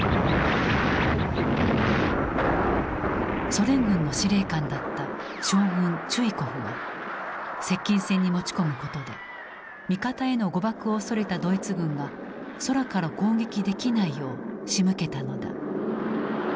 ソ連軍の司令官だった将軍チュイコフは接近戦に持ち込むことで味方への誤爆を恐れたドイツ軍が空から攻撃できないようしむけたのだ。